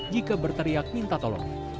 jika berteriak minta tolong